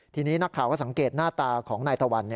ทีนี้นักข่าวก็สังเกตหน้าตาของนายตะวัน